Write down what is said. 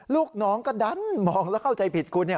ลูกน้องก็ดันมองแล้วเข้าใจผิดคุณ